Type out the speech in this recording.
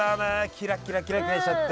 キラキラキラキラしちゃって。